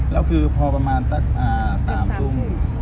แล้วคือพอประมาณต่าง